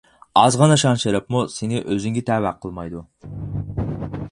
ئازغىنە شان-شەرەپمۇ سېنى ئۆزۈڭگە تەۋە قىلمايدۇ.